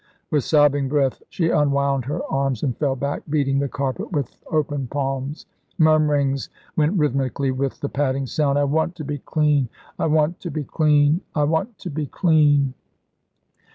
With sobbing breath she unwound her arms and fell back beating the carpet with open palms. Murmurings went rhythmically with the padding sound. "I want to be clean; I want to be clean; I want to be clean."